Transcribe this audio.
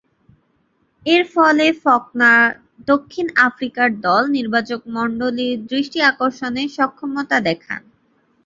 এরফলে ফকনার দক্ষিণ আফ্রিকান দল নির্বাচকমণ্ডলীর দৃষ্টি আকর্ষণে সক্ষমতা দেখান।